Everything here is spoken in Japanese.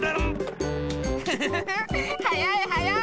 フフフフはやいはやい！